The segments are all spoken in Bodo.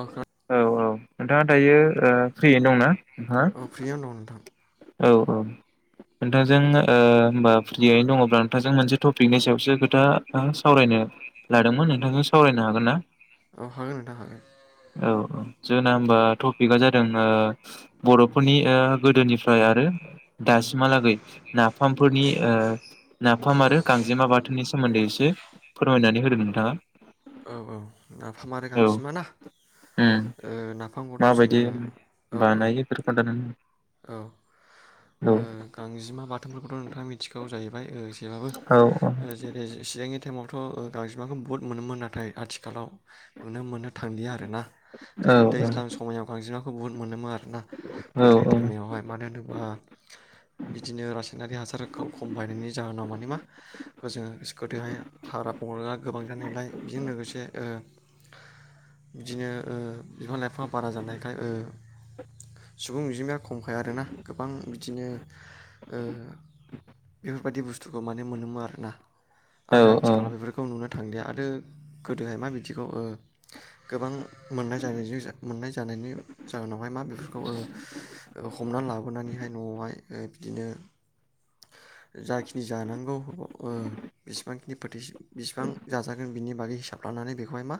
अखा औ औ नोंथाङा दायो फ्रियैनो दंना औ नोंथाङा? फ्रियावनो दं नोंथां औ औ नोंथांजों होमबा फ्रियैनो दङब्ला नोंथांजों मोनसे टपिकनि सायावसो खोथा सावरायनो लादोंमोन नोंथां सावरायनो हागोन ना? औ हागोन नोंथां हागोन। औ जों होमबा टपिकआ जादों ओ बर'फोरनि ओ गोदोनि फ्राय आरो दासिमहालागै नाफामफोरनि ओ नाफाम आरो गांजेमा बाथोननि सोमोन्दै एसे फोरमायनानै होदों नोंथाङा। औ औ नाफामा आरो औ गांजेमा ना उम ओ नाफाम नाफामखौथ' माबायदि जोङो औ औ बानायो बेफोरखौ खोन्थानानै औ औ ओ गांजेमा बाथोनफोरखौथ' नोंथाङा मिथिखागौ जाहैबाय। जबाबबो औ जेरै चिरांनि टाइमाव थ' गांजोबमाखौ बहुद मोनोमोन आरो ओमफ्राय आथिखालाव नुनो मोननो थांलिया आरोना औ जेरै दैज्लां समायाव गांजेमा बुहुद मोनोमोन ओ औ गोदोनि औ टाइमावहाय मानो होनोबा ओ बिदिनो रासायनारि हासारखौ खम बायनायनि जाहोनाव माने मा होजों सकुटियावहाय हाग्रा बंग्रा गोबां जानायलाय खनसे ओ बिदिनो ओ बिफां लाइफाङा बारा जानायखाय ओ सुबुं अनजिमाया खमखाय आरोना गोबां बिदिनो ओ [inaudible] बेफोरबायदि बुस्थुखौ माने मोनोमोन आरोना। औ आरो औ आथिखालाव बेफोरखौ नुनो थांलिया आरो गोदोहाय मा बिदिखौ ओ गोबां मोननाय जाहैबाय जे जो मोन्नाय जानायनि जों नुबाय मा बेफोरखौ ओ ओ हमनानै लाबोनानैहाय न'आवहाय ओ बिदिनो जाखिनि जानांगौ ओ बेसेबां खिनि फोथै बेसेबां जाजागोन बिनि बागै हिसाब लानानै बेखौहाय मा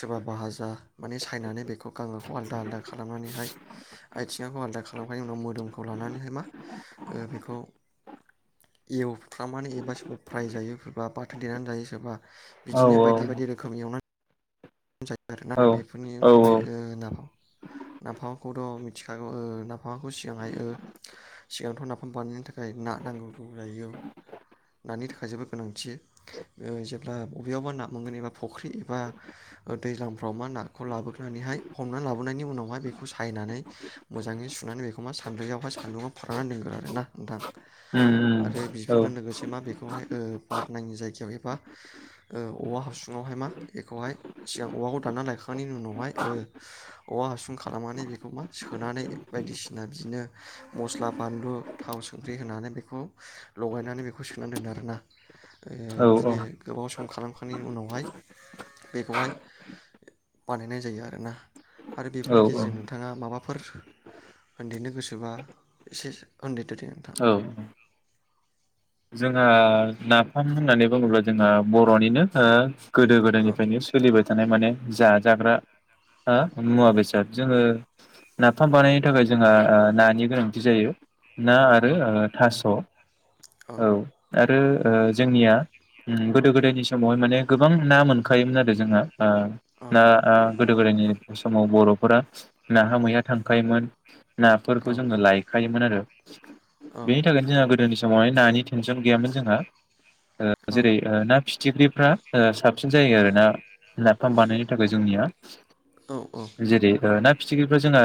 सोरबा भाजा माने सायनानै बेखौ गांगोखौ आलादा आलदा खालामनानैहाय आथिङाखौ आलदा खालामखांनायनि उनाव मोदोमखौ लानानैहाय मा ओ बेखौ एव फ्रामनानै एबा साव फ्राय जायो सोरबा बाथोन देनानै जायो सोरबा बिदिनो बायदि बायदि रोखोम एवना जायो आरो बेफोरनि उनावहा ओ नाफाम नाफामखौथ' मिथिखागौ ओ नाफामाखौ सिगांहाय ओ सिगांथ' नाफाम बानायनो थाखाय ना नांगौ जायो नानि थाखाय जोबोद गोनांथि ओ जेब्ला बबेयावबा ना मोनगोन एबा फुख्रि बा दैज्लांफ्राव मा नाखौ लाबोनानैहाय हमनानै लाबोनायनि उनावहाय बेखौ सायनानै मोजाङै सुनानै बेखौ मा सान्द्रैआवहाय सान्दुंङआव फोराननानै दोनगोन आरो ना नोंथां आरो बिफोरजों लोगोसे मा बेखौहाय ओ बार नाङि जायगायाव एबा ओ औवा हासुङावहाय मा बेखौहाय सिगां औवाखौ दानना लायखांनायनि उनावहाय ओ औवा हासुं खालामनानै बेखौ मा सोनानै बायदिसिना बिदिनो मस्ला बानलु थाव संख्रि होनानै बेखौ लगायनानै बेखौ सोनानै दोनो आरोना ओ औ बिदिनो गोबाव सम खालामखांनायनि उनावहाय बेखौहाय बानायनाय जायो आरोना आरो बेफोरनि गेजेरजों नोंथाङा माबाफोर होन्देरनो गोसोबा एसे होन्देरदो दे नोंथां औ जोंहा नाफाम होननानै बुङोब्ला जोंहा बर'निनो ओ गोदो औ गोदायनिफ्रायनो सोलिबाय थानाय माने जा-जाग्रा ओ मुवा बेसाद जोङो नाफाम बानायनो थाखाय जोंहा ओ नानि गोनांथि जायो ना औ आरो ओ थास' औ आ रो ओ जोंनिया ओम गोदो गोदायनि समावहाय माने गोबां ना मोनखायोमोन आरो जोंहा ओ औ ना ओ गोदो गोदायनि समाव बर'फोरा नाहा मैया थांखायोमोन औ नाफोरखौ जोङो लायखायोमोन आरो औ बेनि थाखायनो जोंहा गोदोनि समावहाय नानि टेनसन गैयामोन जोंहा ओ जेरै ना फि थिख्रिफ्रा ओ साबसिन जायो आरो ना नाफाम बानायनो थाखाय जोंनिया औ औ जेरै ओ ना फिथिख्रिफ्रा जोंहा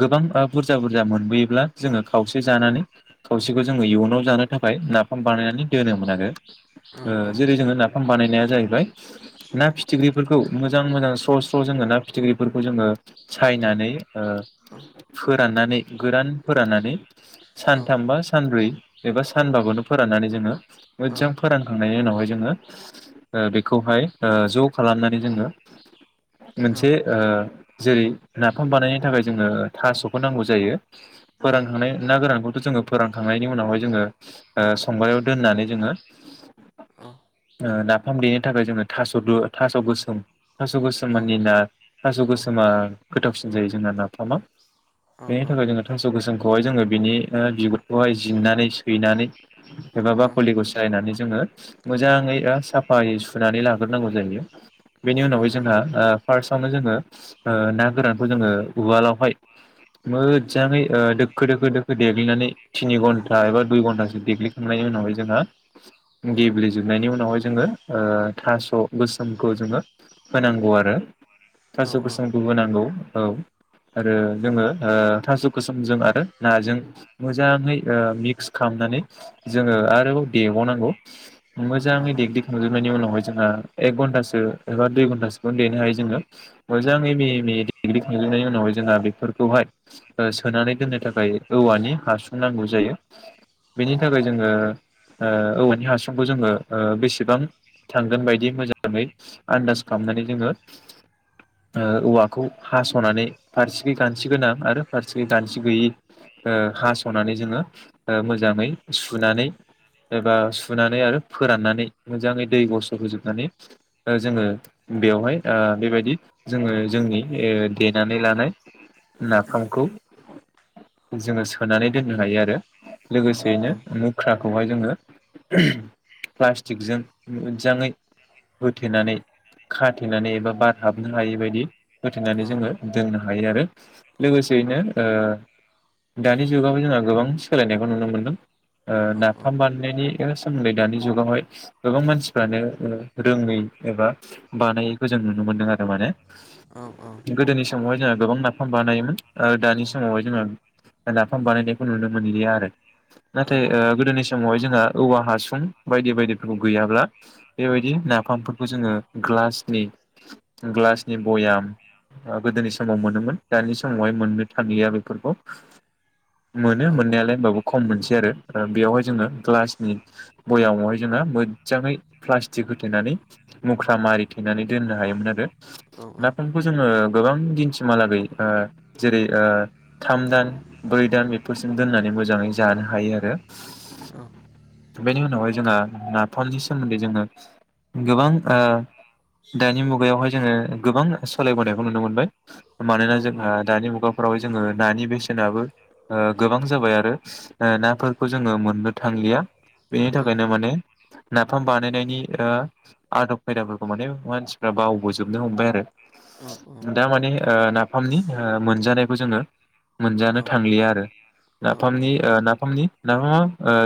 गोबां ओ बुरजा बुरजा मोनबोयोब्ला जोङो खावसे जानानै खावसेखौ जोङो इयुनाव जानो थाखाय नाफाम बानायनानै दोनोमोन आरो ओ जेरै औ जोङो नाफाम बानायनाया जाहैबाय ना फिथिख्रिफोरखौ मोजां मोजां स्र' स्र' जोङो ना फिथिख्रिफोरखौ जोङो औ सायनानै ओ फो राननानै गोरान फोराननानै सानथाम बा सानब्रै एबा सा सानबागखौनो फोराननानै जोङो। मोजां फोरानखां नायनि उनावहाय जोङो ओ बेखौहाय ओ ज' खालामनानै जोङो मोनसे ओ जेरै नाफाम बानायनो थाखाय जोङो थास'खौ नांगौ जायो। फोरानखांनाय ना गोरांखौ। जोङो फोरोंखांनायनि उनावहाय जोङो। ओ संग्रायाव दोननानै जोङो। ओ ना नाफाम देनो थाखाय जोङो थास' थास' गोसोम। थास' गोसोम मानिना थास' गोसोमा गोथावसिन जायो जोंना नाफामाव। बेनि थाखाय जोङो थांस' गोसोम। खौहाय जोङो बिनि ओ बिगुरखौहाय जिरनानै हैनानै एबा बाखलिखौ सायनानै जोङो मोजाङै साफायै सुनानै लाग्रोनांगौ जायो बेनि उनावहाय जोंहा ओ फार्स्टआवनो जोङो ओ ना गोरानखौ जोङो उवालावहाय मोजाङै ओ दोखो दोखो दोखो देग्लिनानै थिनि घन्टा एबा दुइ घन्टासो देग्लिखांनायनि उनावहाय जोंहा गेब्ले जोबनायनि उनावहाय जोङो ओ थास' गोसोमखौ जोङो होनांगौ आरो थास' गोसोमखौ होनांगौ औ आरो जोङो ओ थास' गोसोमजों आरो नाजों मोजाङै ओ मिक्स खामनानै जोङो आरोबाव देबावनांगौ मोजाङै देग्लि खांजोबनायनि उनावहाय जोंहा एक घन्टासो एबा दुइ घन्टासोखौ देनो हायो जोङो मोजाङै मिहि मिहि देग्लि खांजोबनायनि उनावहाय जोंहा बेफोरखौहाय सोनानै दोननो थाखाय औवानि हासुं नांगौ जायो। बेनि थाखाय जोङो ओ औवानि हासंखौ जोङो ओ बेसेबां थांगोन बायदि मोजाङै आन्दाज खालामनानै जोङो ओ औवाखौ हास'नानै फारसेखै गानसि गोनां आरो फारसेथिं गानसि गैयै ओ हास'नानै जोङो। ओ मोजाङै सुनानै एबा सुनानै आरो फोराननानै मोजाङै दै गसर होजोबनानै ओ जोङो बेवहाय ओ बेबायदि जोङो जोंनि ओ देनानै लानाय। नाफामखौ। जोङो सोनानै दोननो हायो आरो। लोगोसेयैनो मुख्राखौहाय जोङो। प्लास्टिकजों मोजाङै होथेनानै खाथेनानै एबा बारहाबनो हायै बायदि होथेनानै जोङो दोननो हायो आरो लोगोसेयैनो ओ दानि जुगाव जोंहा गोबां। सोलायनायखौ नुनो मोन्दों ओ नाफाम बानायनायनि सोमोन्दै दानि जुगावहाय गोबां मानसिफ्रानो रोङै एबा बानायैखौ जों नुनो मोन्दों आरो माने। औ औ। गोदोनि समावहाय जाहा गोबां नाफाम बानायोमोन ओ दानि समावहाय जोङो नाफाम बानायनायखौ नुनो मोनलिया आरो औ नाथाय ओ गोदोनि समावहाय जोंहा औवा हासुं बायदि बायदि। [unintelligible] गैयाब्ला बेबायदि नाफामफोर जोङो ग्लासनि ग्लासनि बयाम आं गोदोनि समाव मोनोमोन दानि समावहाय मोननो थांलिया बेफोरखौ। मोनो मोननायालाय होनबाबो खम मोनसै आरो ओ बेवहाय जोङो ग्लासनि बयामावहाय। जोंहा मोजाङै प्लास्टिक होथेनानै मुख्रा मारिथेनानै दोननो हायोमोन आरो। नाफामखौ जोङो गोबां दिन्सिमहालागै ओ जेरै ओ थाम दान ब्रै दान फोरजों दोननानै मोजाङै जानो हायो आरो बेनि उनावहाय जोंहा नाफामनि सोमोन्दै जोङो गोबां ओ दानि मुगायावहाय जोङो गोबां सोलायबोनायखौ नुनो मोनबाय मानोना जोंहा दानि मुगायाव [unintelligible] जोङो नानि बेसेनाबो ओ गोबां जाबाय आरो नाफोरखौ जोङो मोननो थांलिया बेनि थाखायनो माने नाफाम बानायनायनि आदब खायदाफोरखौ माने मानसिफ्रा बावबोजोबनो हमबाय आरो। उम उम। दा माने ओ नाफामनि मोनजानायखौ जोङो मोनजानो थांलिया आरो। नाफामनि ओ ना फामनि नाफामा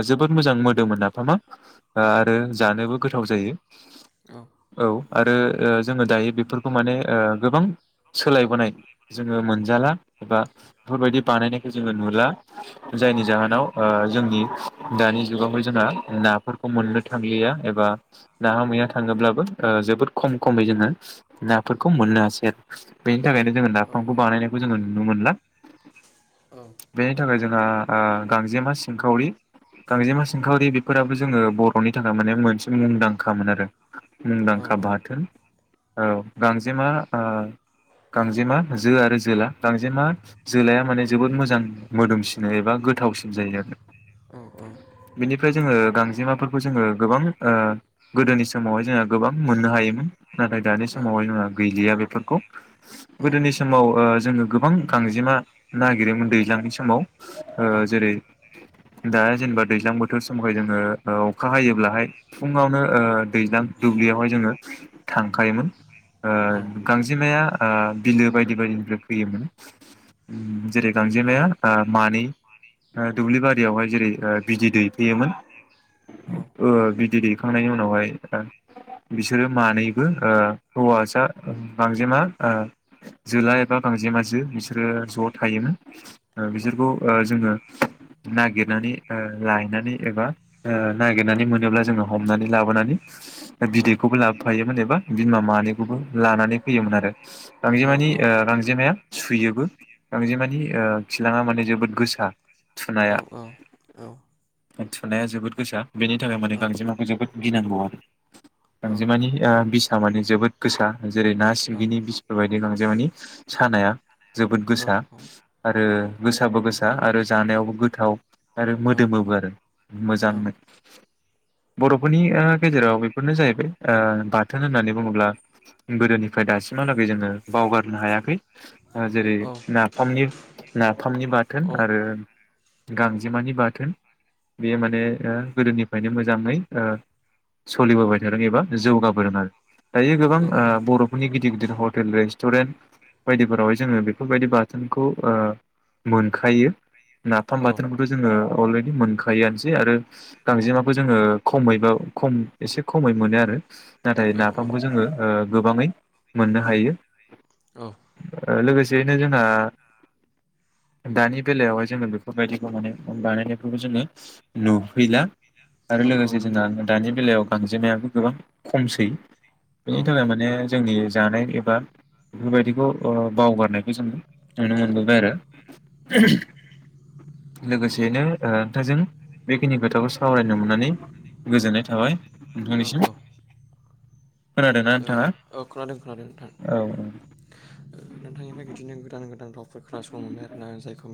जोबोद मोजां मोदोमो नाफामा। आरो जानोबो गोथाव जायो औ आरो जोङो दायो बेफोरखौ माने गोबां सोलायबोनाय जोङो मोनजाला एबा बेफोरबायदि बानायनायखौ जोङो नुला। जायनि जाहोनाव ओ जोंनि दानि जुगावहाय जोंहा नाफोरखौ मोननो थांलिया एबा ना हमैया थाङोब्लाबो जोबोद खम खमै जोङो नाफोरखौ मोननो हासै आरो बे नि थाखायनो जोङो नाफामखौ बानायनायखौ जोङो नुनो मोनला। बेनि थाखाय जोंहा ओ गांजेमा सिंखावरि गांजेमा सिंखावरि बेफोराबो जोङो बर'नि थाखाय माने मोनसे मुंदांखामोन आरो मुंदांखा बाथोन। गांजेमा ओ गांजेमा जो आरो जोला गांजेमा जोलाया माने जोबोद मोजां मोदोमसिनो एबा गोथावसिन जायो। आरो बेनिफ्राय जोङो गांजेमाफोरखौ जोङो गोबां ओ गोदोनि समावहाय जोङो गोबां मोननो हायोमोन। नाथाय दानि समावहाय गैलिया बेफोर गोदोनि समाव ओ जोङो गोबां गांजेमा नागिरोमोन दै ज्लांनि समाव जेरै दा जेनेबा दैज्लां बोथोर समाखाय जोङो अखा हायोब्लाहाय फुङावनो ओ दैज्लां दुब्लियावहाय जोङो थांखायोमोन। ओ गांजेमाया आ बिलो बायदि बायदिनिफ्राय फैयोमोन जेरै गांजेमाया मानै दुब्लि बारियावहाय जेरै बिदै दैफैयोमोन ओ बिदै दै खांनायनि उनावहाय बिसोरो मानैबो हौवसा गांजेमा जोला एबा गांजेमा जो बिसोरो ज' थायोमोन। [inaudible] बिसोरखौ ओ जोङो नागिरनानै लायनानै एबा नागिरनानै मोनोब्ला जोङो हमनानै लाबोनानै बिदैखौबो लाबोफायोमोन एबा बिमा मानैखौबो लानानै फैयोमोन आरो। गांजेमानि गांजेमाया सुयोबो गांजेमानि ओ खिलाङा माने जोबोद गोसा थुनाया औ औ औ। थुनाया जोबोद गोसा बेनि थाखाय माने गांजेमाखौ जोबोद गिनांगौ आरो गांजेमानि बिसाआ माने जोबोद गोसा जेरै ना सिंगिनि बिसफोरबायदि गांजेमानि सानाया जोबोद गोसा आरो गोसाबो गोसा आरो जानायावबो गोथाव आरो मोदोमोबो आरो मोजांनो। बर'फोरनि गेजेराव बेफोरनो जाहैबाय ओ बाथोन होननानै बुङोब्ला गोदोनिफ्राय दासिमहालागै जोङो बावगारनो हायाखै। ओ जेरै नाफामनि नाफामनि बाथोन आरो गांजेमानि बाथोन बेयो माने गोदोनिफ्रायनो मोजाङै सोलिबोबाय थादों एबा जौगाबोदों आरो। दायो ओ गोबां बर'फोरनि गिदिर गिदिर हर हटेल रेस्टुरेन्ट बायदिफोरावहाय जोङो बेफोरबायदि बाथोनखौ ओ मोनखायो। नाफाम बाथोनखौथ' जोङो अलरेडि मोनखायोआनोसै आरो गांजेमाबो जोङो खमैब खम एसे खमै मोनो आरो नाथाय नाफामखौ जोङो। गोबाङै मोननो हायो लोगोसेयैनो जोंहा दानि बेलायावहाय जोङो बेफोरबायदिखौ माने बानायनायफोरखौ जोङो नुहैला आरो लोगोसे जोंना नंगौ दानि बेलायाव गांजेमायाबो गोबां खमसै औ बेनि थाखाय माने जोंनि जानाय एबा बेफोरबायदिखौ बावगारनायखौ जोङो नुनो मोनबोबाय आरो औ लोगोसेयैनो नोंथांजों बेखिनि खोथाखौ सावरायनो मोननानै गोजोननाय थाबाय नोंथांनिसिम औ औ खोनादों ना ओ नोंथाङा? औ खोनादों खोनादों नोंथां। औ औ फ्राय बिदिनो गोदान गोदान खोनासं मोनबाय आरोना आं जायखौ